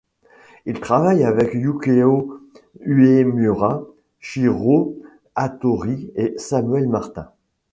Il travaille avec Yukio Uemura, Shirō Hattori et Samuel Martin.